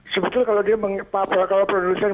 sebetulnya kalau produsen